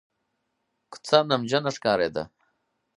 کوڅه نمجنه ښکارېده.